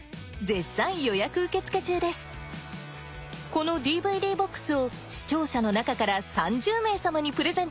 この ＤＶＤ−ＢＯＸ を視聴者の中から３０名様にプレゼントします